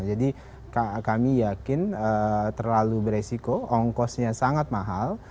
jadi kami yakin terlalu beresiko ongkosnya sangat mahal